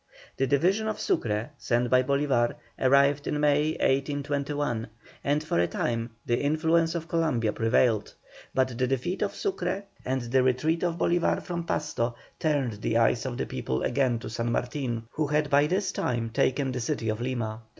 The division of Sucre, sent by Bolívar, arrived in May, 1821, and for a time the influence of Columbia prevailed, but the defeat of Sucre and the retreat of Bolívar from Pasto, turned the eyes of the people again to San Martin, who had by this time taken the city of Lima.